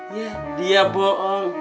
ya dia bohong